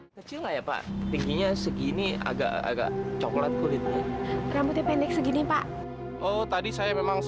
ketika kita mencari penjualan kita akan mencari penjualan